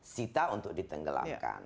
sita untuk ditenggelamkan